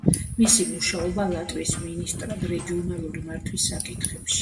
მისი მუშაობა ლატვიის მინისტრმა რეგიონული მართვის საკითხებში.